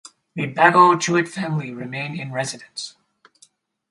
The Bagot Jewitt family remain in residence.